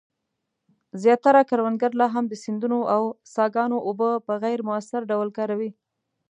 زیاتره کروندګر لا هم د سیندونو او څاګانو اوبه په غیر مؤثر ډول کاروي.